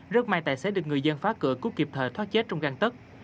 rất may tài xế được người dân phá cửa cứu kịp thời thoát chết trong găng tất